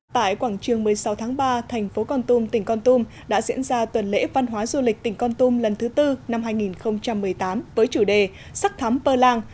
tại quảng trường một mươi sáu tháng ba thành phố con tum tỉnh con tum đã diễn ra tuần lễ văn hóa du lịch tỉnh con tum lần thứ tư năm hai nghìn một mươi tám với chủ đề sắc thắm pơ lan